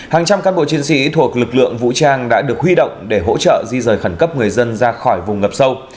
hàng trăm cán bộ chiến sĩ thuộc lực lượng vũ trang đã được huy động để hỗ trợ di rời khẩn cấp người dân ra khỏi vùng ngập sâu